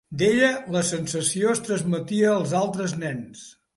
D'ella la sensació es transmetia als altres nens.